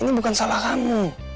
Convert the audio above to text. ini bukan salah kamu